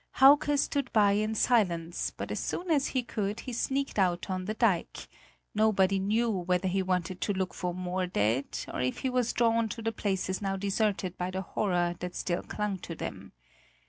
Hauke stood by in silence, but as soon as he could, he sneaked out on the dike; nobody knew whether he wanted to look for more dead, or if he was drawn to the places now deserted by the horror that still clung to them.